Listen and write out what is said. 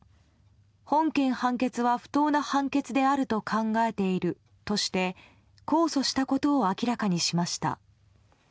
本件判決は不当な判決であると考えているとして控訴したことを明らかにしました。